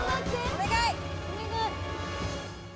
お願い。